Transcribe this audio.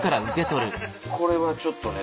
これはちょっと。